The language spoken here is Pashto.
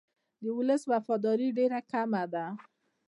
د ولس وفاداري ډېره کمه ده.